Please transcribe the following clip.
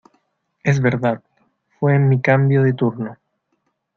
es verdad, fue en mi cambio de turno.